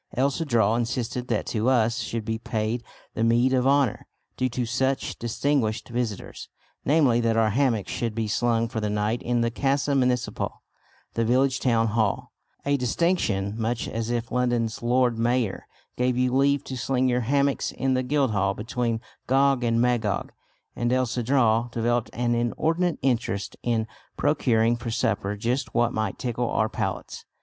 El Cedral insisted that to us should be paid the meed of honour due to such distinguished visitors, namely that our hammocks should be slung for the night in the Casa Municipal, the village town hall; a distinction much as if London's Lord Mayor gave you leave to sling your hammocks in the Guildhall between Gog and Magog. And El Cedral developed an inordinate interest in procuring for supper just what might tickle our palates.